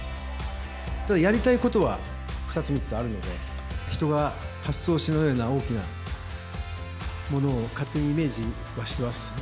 やりたいことは２つ、３つあるので、人が発想しないような大きなものを勝手にイメージはしてます。